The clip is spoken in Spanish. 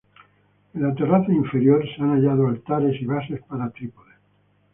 En la terraza inferior se han hallado altares y bases para trípodes.